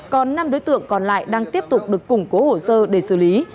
còn năm đối tượng còn lại đang tiếp tục được củng cố hồ sơ để xử lý